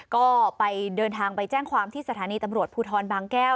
ก็ไปเดินทางไปแจ้งความที่สถานีตำรวจภูทรบางแก้ว